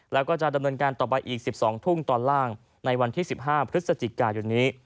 แล้วก็จะดำเนินการต่อไปอีก๑๒ทุ่มตอนล่างในวันที่๑๕พฤศจิกายนนี้